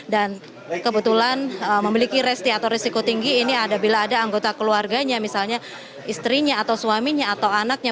dan kebetulan memiliki resti atau risiko tinggi ini ada bila ada anggota keluarganya misalnya istrinya atau suaminya atau anaknya